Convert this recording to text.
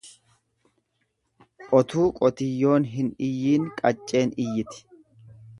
Otuu qotiyyoon hin iyyiin qacceen iyyiti.